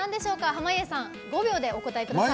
濱家さん、５秒でお答えください。